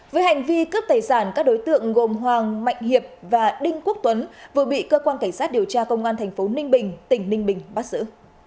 với hành vi cướp tài sản các đối tượng gồm hoàng mạnh hiệp và đinh quốc tuấn vừa bị cơ quan cảnh sát điều tra công an tp ninh bình tỉnh ninh bình bắt giữ